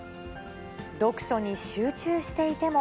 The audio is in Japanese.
読書に集中していても。